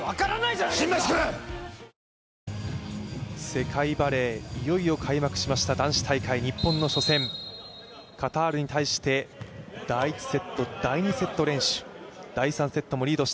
世界バレー、いよいよ開幕しました男子大会日本の初戦、カタールに対して第１セット、第２セット連取。